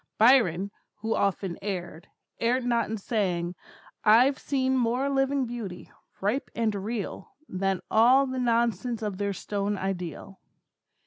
Byron, who often erred, erred not in saying, I've seen more living beauty, ripe and real, than all the nonsense of their stone ideal.